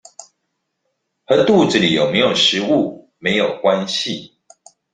和肚子裡有沒有食物沒有關係